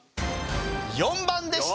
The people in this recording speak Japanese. ４番でした！